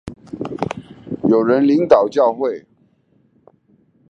有人領導教會